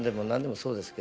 そうですね。